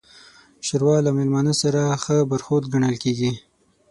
ښوروا له میلمانه سره ښه برخورد ګڼل کېږي.